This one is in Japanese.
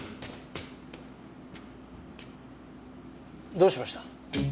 どうしました？